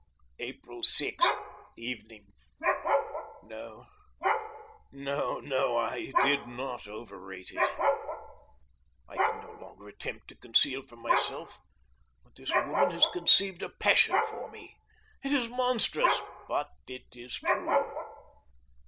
April 6 (evening). No, no, no, I did not overrate it. I can no longer attempt to conceal from myself that this woman has conceived a passion for me. It is monstrous, but it is true.